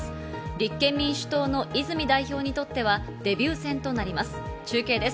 立憲民主党の泉代表にとってはデビュー戦となります。